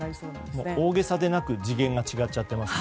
大げさでなく次元が違っちゃってますね。